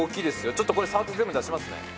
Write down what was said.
ちょっとこれ触って全部出しますね。